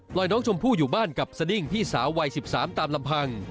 น้องชมพู่อยู่บ้านกับสดิ้งพี่สาววัย๑๓ตามลำพัง